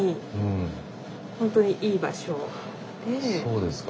そうですか。